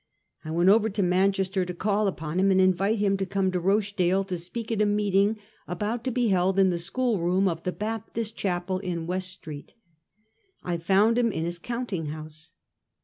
I went over to Manchester to call upon him and invite him to come to Rochdale to speak at a meeting about to be held in the school room of the Baptist Chapel in West Street. I found him in his counting house.